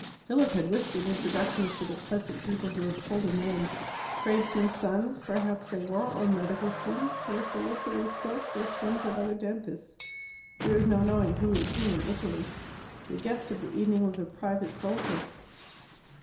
Philip had whispered introductions to the pleasant people who had pulled him in tradesmen's sons perhaps they were, or medical students, or solicitors' clerks, or sons of other dentists. There is no knowing who is who in Italy. The guest of the evening was a private soldier.